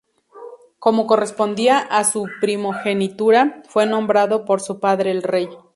Como correspondía a su primogenitura, fue nombrado por su padre el rey.